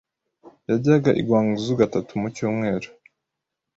yajyaga i Guangzhou gatatu mu cyumweru,